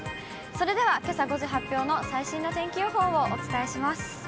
それでは、けさ５時発表の最新の天気予報をお伝えします。